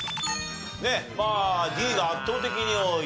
まあＤが圧倒的に多いと。